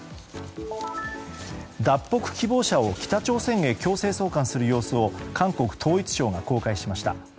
脱北希望者を北朝鮮へ強制送還する様子を韓国統一省が公開しました。